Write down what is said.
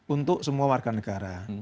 untuk semua warga negara